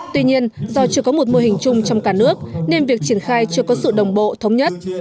tuy nhiên do chưa có một mô hình chung trong cả nước nên việc triển khai chưa có sự đồng bộ thống nhất